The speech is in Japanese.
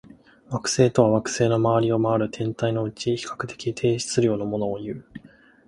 惑星とは、恒星の周りを回る天体のうち、比較的低質量のものをいう。